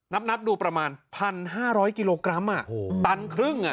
นับดูประมาณ๑๕๐๐กิโลกรัมตันครึ่ง